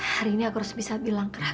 hari ini aku harus bisa bilang ke raka